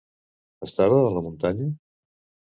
Estava a la muntanya?